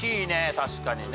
確かにね。